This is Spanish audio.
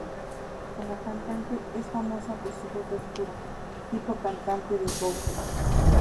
Como cantante, es famosa por su voz oscura, tipo cantante de soul.